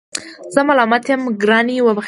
زه ملامت یم ګرانې وبخښه